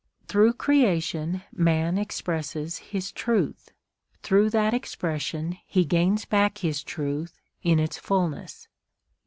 Through creation man expresses his truth; through that expression he gains back his truth in its fulness.